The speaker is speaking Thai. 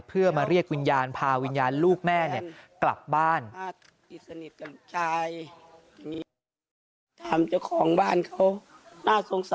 เพื่อมาเรียกวิญญาณพาวิญญาณลูกแม่กลับบ้าน